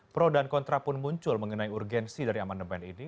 pro dan kontra pun muncul mengenai urgensi dari amandemen ini